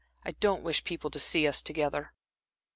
"I don't wish people to see us together."